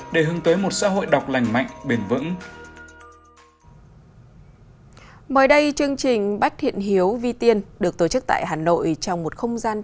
để hướng tới một xã hội đọc lành mạnh bền vững